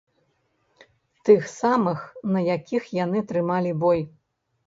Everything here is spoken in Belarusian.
Тых самых, на якіх яны трымалі бой.